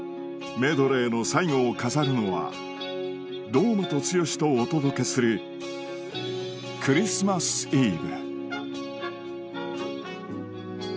メドレーの最後を飾るのは堂本剛とお届けする『クリスマス・イブ』